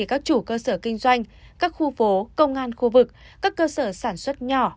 các chủ cơ sở kinh doanh các khu phố công an khu vực các cơ sở sản xuất nhỏ